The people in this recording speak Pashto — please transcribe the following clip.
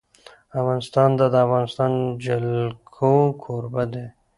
افغانستان د د افغانستان جلکو کوربه دی.